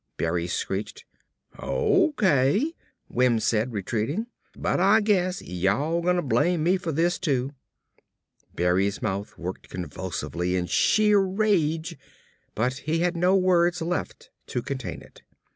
Berry screeched. "O.K.," Wims said, retreating, "but Ah guess y'all gonna blame me fer this, too." Berry's mouth worked convulsively in sheer rage but he had no words left to contain it.